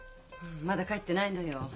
まだ帰ってないのよ。